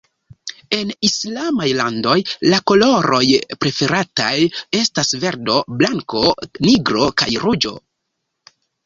En Islamaj landoj la koloroj preferataj estas verdo, blanko, nigro kaj ruĝo.